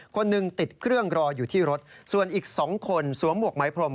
คนหนึ่งติดเครื่องรออยู่ที่รถส่วนอีก๒คนสวมหวกไหมพรม